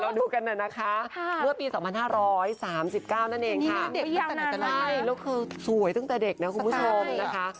แล้วคือสวยตั้งแต่เด็กนะคุณผู้ชมนะคะ